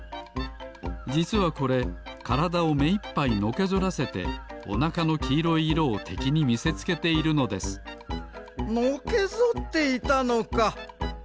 じつはこれからだをめいっぱいのけぞらせておなかのきいろい色をてきにみせつけているのですのけぞっていたのか。